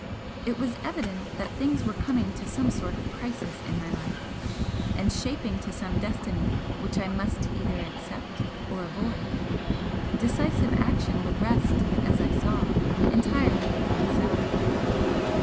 It was evident that things were coming to some sort of crisis in my life, and shaping to some destiny which I must either accept or avoid. Decisive action would rest, as I saw, entirely with myself.